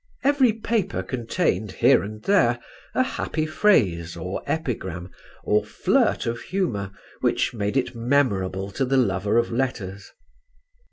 Every paper contained, here and there, a happy phrase, or epigram, or flirt of humour, which made it memorable to the lover of letters.